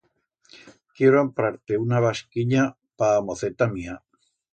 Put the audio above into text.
Quiero amprar-te una basquinya pa a moceta mía.